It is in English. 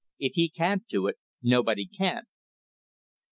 "If he can't do it, nobody can."